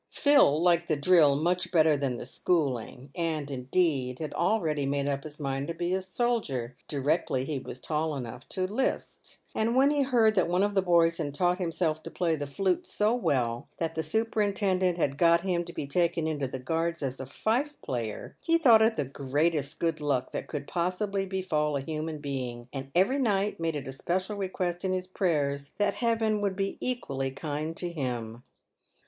Phil liked the drill much better than the schooling, and, indeed, had already made up his mind to be a soldier directly he was tall enough to " 'list ;" and when he heard that one of the boys had taught himself to play the flute so well, that the superintendent had got him to be taken into the Gruards as a fife player, he thought it the greatest good luck that could possibly befal a human being, and every night made it a special request in his prayers that Heaven would be equally kind to him.